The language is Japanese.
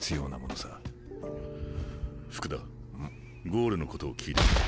ゴールのことを聞いてくれ。